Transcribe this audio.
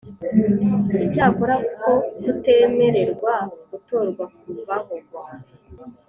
Icyakora uko kutemererwa gutorwa kuvaho